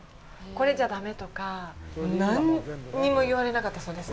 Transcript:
これじゃダメとか、何にも言われなかったそうです。